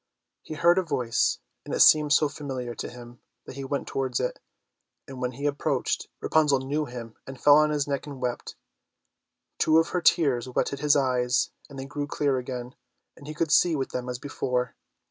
He heard a voice, and it seemed so familiar to him that he went towards it, and when he approached, Rapunzel knew him and fell on his neck and wept. Two of her tears wetted his eyes and they grew clear again, and he could see with them as before.